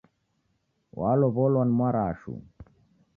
Walow' olwa ni Mwarashu